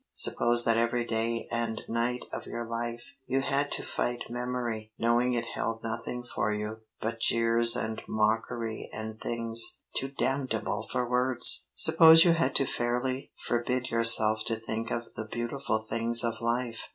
Suppose that every day and night of your life, you had to fight memory, knowing it held nothing for you but jeers and mockery and things too damnable for words! Suppose you had to fairly forbid yourself to think of the beautiful things of life!